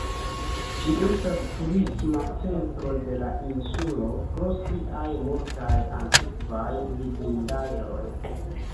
Ĝi estas turisma centro de la insulo pro siaj multaj antikvaj vidindaĵoj.